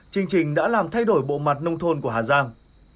chương trình đã làm thay đổi bộ mặt nông thôn của hà giang